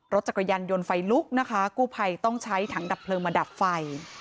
รถจักรยานยนต์ไฟลุกนะคะกู้ภัยต้องใช้ถังดับเพลิงมาดับไฟ